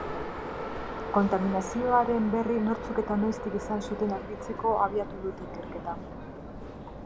Kontaminazioaren berri nortzuk eta noiztik izan zuten argitzeko abiatu dute ikerketa.